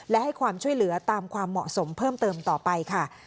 และให้ความช่วยเหลือตามความเหมาะสมเพิ่มเติมต่อไปค่ะ